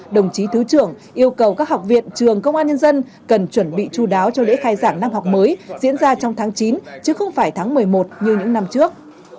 đồng chí thứ trưởng yêu cầu các học viện trường công an nhân dân cần chuẩn bị chú đáo cho lễ khai giảng năm học mới diễn ra trong tháng chín chứ không phải tháng một mươi một như những năm trước